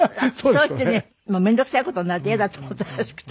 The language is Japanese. それでね面倒くさい事になると嫌だと思ったらしくて。